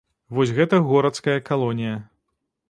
Вось гэта горацкая калонія.